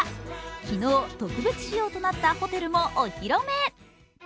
昨日、特別仕様となったホテルもお披露目。